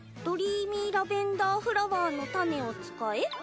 ドリーミーラベンダーフラワーの種を使え？